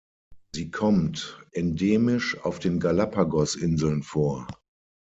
Sie kommt endemisch auf den Galápagos-Inseln vor.